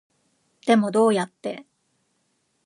でもどうやって